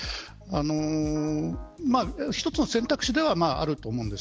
一つの選択肢ではあると思うんです。